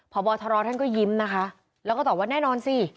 พบทรท่านก็ยิ้มนะคะแล้วก็ตอบว่าแน่นอนสิ